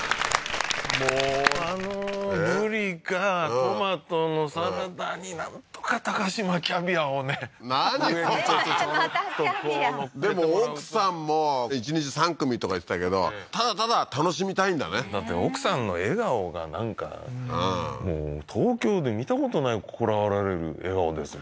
もうあのブリかトマトのサラダになんとか嶋キャビアをね何をまたキャビアでも奥さんも１日３組とか言ってたけどただただ楽しみたいんだねだって奥さんの笑顔がなんか東京で見たことない心洗われる笑顔ですもん